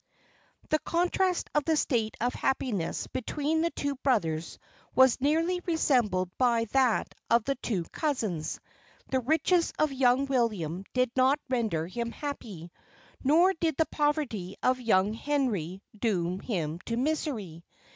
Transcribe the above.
The contrast of the state of happiness between the two brothers was nearly resembled by that of the two cousins the riches of young William did not render him happy, nor did the poverty of young Henry doom him to misery.